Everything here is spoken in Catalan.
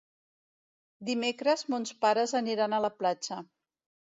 Dimecres mons pares aniran a la platja.